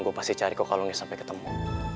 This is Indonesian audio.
gue pasti cari kok kalungnya sampai ketemu